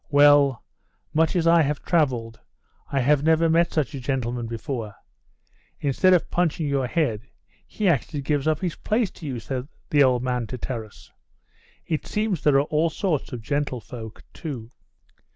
"Well, much as I have travelled, I have never met such a gentleman before. Instead of punching your head, he actually gives up his place to you," said the old man to Taras. "It seems there are all sorts of gentlefolk, too."